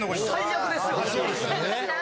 最悪ですよ。